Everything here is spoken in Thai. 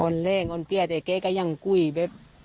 อ่อนแรงอ่อนเบียดแต่เขาก็ยังกุยแบบ